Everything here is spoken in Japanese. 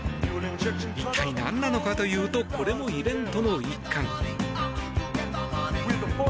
一体、なんなのかというとこれもイベントの一環。